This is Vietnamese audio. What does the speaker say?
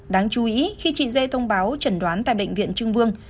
đáng chú ý khi chị dê thông báo trần đoán tại bệnh viện trưng vương